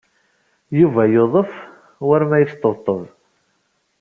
Yuba yudef war ma yesṭebṭeb.